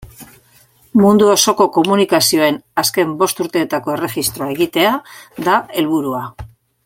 Mundu osoko komunikazioen azken bost urteetako erregistroa egitea da helburua.